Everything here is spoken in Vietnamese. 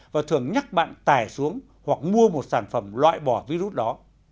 và thường nhắc bạn tải xuống hoặc mua một sản phẩm loại bỏ virus đó